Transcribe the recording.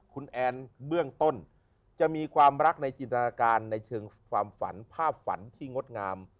คุณแอนเบื้องต้นจะมีความรักในจินตนาการในเชิงความฝันภาพฝันที่งดงาม